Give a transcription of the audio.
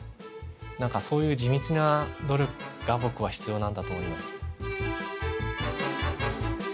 何かそういう地道な努力が僕は必要なんだと思います。